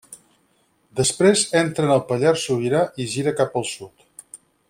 Després entra en el Pallars Sobirà i gira cap al sud.